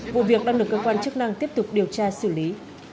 vụ việc đang được cơ quan chức năng tiếp tục điều tra xử lý